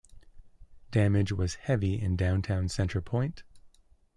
Damage was heavy in downtown Center Point.